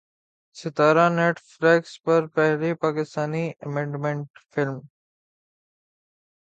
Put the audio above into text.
ستارہ Netflix پر پہلی پاکستانی اینیمیٹڈ فلم